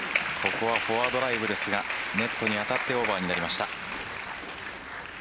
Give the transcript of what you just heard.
ここはフォアドライブですがネットに当たってオーバーになりました。